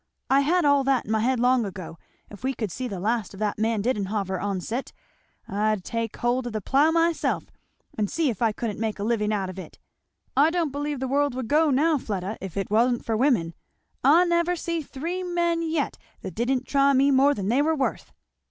I had all that in my head long ago. If we could see the last of that man Didenhover oncet, I'd take hold of the plough myself and see if I couldn't make a living out of it! I don't believe the world would go now, Fleda, if it wa'n't for women. I never see three men yet that didn't try me more than they were worth."